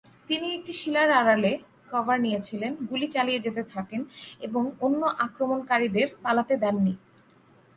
তিনি একটি শিলার আড়ালে কভার নিয়েছিলেন, গুলি চালিয়ে যেতে থাকেন এবং অন্য আক্রমণকারীদের পালাতে দেননি।